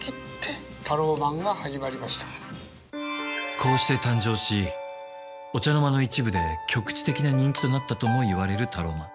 こうして誕生しお茶の間の一部で局地的な人気となったともいわれるタローマン。